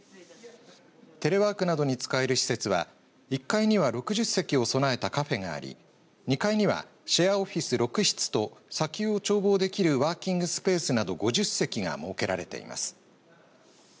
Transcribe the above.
テレワークなどに使える施設は１階には６０席を備えたカフェがあり２階にはシェアオフィス６室と砂丘を眺望できるワーキングスペースなど５０席が設けられています。